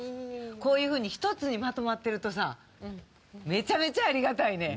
こういうふうに一つにまとまってるとさめちゃめちゃありがたいね。